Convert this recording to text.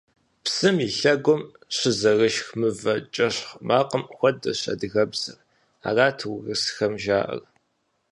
Псым и лъэгум щызэрышх мывэ кӏэщхъ макъым хуэдэщ адыгэбзэр – арат урысхэм жаӏэр.